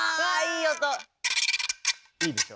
いいでしょ？